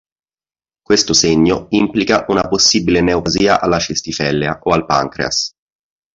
Questo segno implica una possibile neoplasia alla cistifellea o al pancreas.